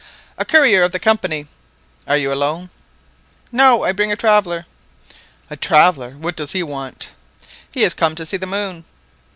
"A courier of the Company." "Are you alone?" "No, I bring a traveller." "A traveller! And what does he want?" "He is come to see the moon."